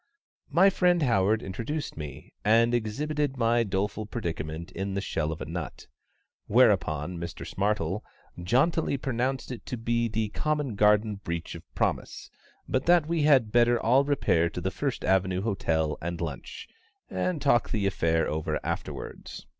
My friend HOWARD introduced me, and exhibited my doleful predicament in the shell of a nut, whereupon Mr SMARTLE jauntily pronounced it to be the common garden breach of promise, but that we had better all repair to the First Avenue Hotel and lunch, and talk the affair over afterwards.